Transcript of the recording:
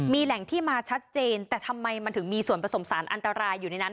มีแหล่งที่มาชัดเจนแต่ทำไมมันถึงมีส่วนผสมสารอันตรายอยู่ในนั้น